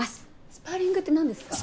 スパーリングってなんですか？